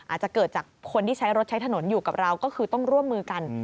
อาจจะเกิดจากคนที่ใช้รถใช้ถนนอยู่กับเราก็คือต้องร่วมมือกัน